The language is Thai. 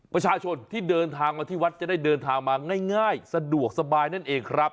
ประชาชนที่เดินทางมาที่วัดจะได้เดินทางมาง่ายสะดวกสบายนั่นเองครับ